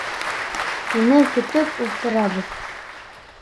Һине көтөп ултырабыҙ.